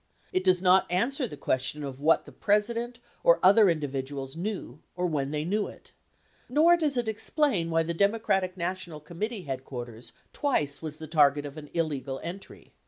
It does not answer the question of what the President or other individuals knew or when they knew it, nor does it explain why the Democratic National Committee headquarters twice was the target of an illegal entry.